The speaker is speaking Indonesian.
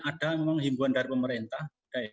ada memang himbuan dari pemerintah